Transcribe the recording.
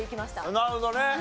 なるほどね。